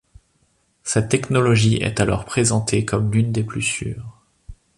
Cette technologie est alors présentée comme l'une des plus sûres.